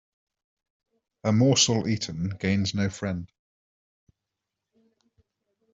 A morsel eaten gains no friend.